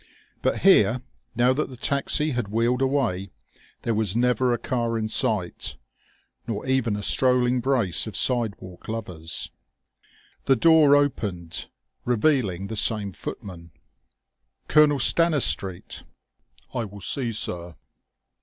But here, now that the taxi had wheeled away, there was never a car in sight, nor even a strolling brace of sidewalk lovers. The door opened, revealing the same footman. "Colonel Stanistreet? I will see, sir."